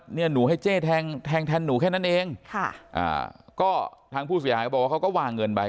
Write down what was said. เนี่ยหนูให้เจ๊แทงแทงหนูแค่นั้นเองค่ะอ่าก็ทางผู้เสียหายเขาบอกว่าเขาก็วางเงินไป